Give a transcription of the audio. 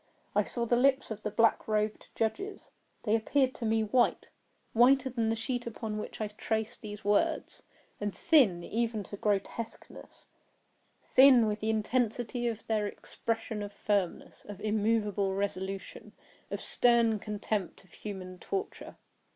I saw the lips of the black robed judges. They appeared to me white—whiter than the sheet upon which I trace these words—and thin even to grotesqueness; thin with the intensity of their expression of firmness—of immoveable resolution—of stern contempt of human torture.